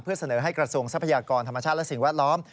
เพื่อเสนอให้กระทรวงทรัพยากรธรรมชาติและสิ่งแวดล้อม